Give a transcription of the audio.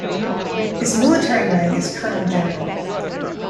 His Military rank is Colonel-General.